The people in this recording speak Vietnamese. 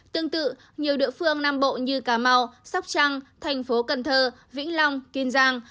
tương tự nhiều địa phương nam bộ như cà mau sóc trăng thành phố cần thơ vĩnh long kiên giang